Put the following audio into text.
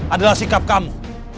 adalah sikap kamu